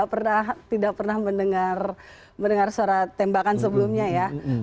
karena tidak pernah mendengar suara tembakan sebelumnya ya